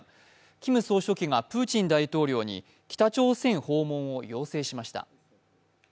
キム総書記がプーチン大統領に北朝鮮訪問を要請しました。